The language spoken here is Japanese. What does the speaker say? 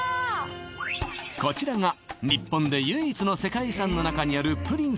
こちらが日本で唯一の世界遺産の中にあるプリン